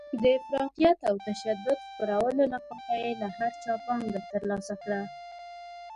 د افراطیت او تشدد خپرولو لپاره یې له هر چا پانګه ترلاسه کړه.